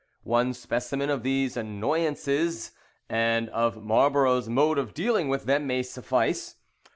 One specimen of these annoyances and of Marlborough's mode of dealing with them may suffice.